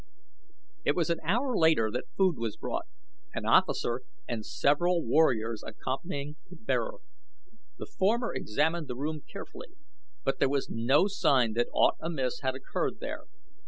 It was an hour later that food was brought, an officer and several warriors accompanying the bearer. The former examined the room carefully, but there was no sign that aught amiss had occurred there.